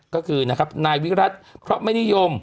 ก็คือนายวิรัตรพอไม่นิยม